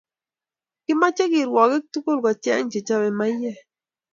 Kimache kirwakik tugul kocheng che chape maiyek